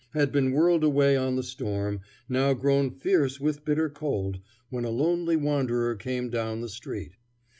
had been whirled away on the storm, now grown fierce with bitter cold, when a lonely wanderer came down the street.